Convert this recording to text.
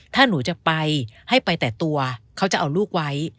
ถ้าหนูจะไปให้ไปแต่ตัวเขาจะเอาลูกไว้